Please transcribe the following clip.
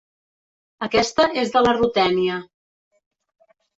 Aquesta és de la Rutènia.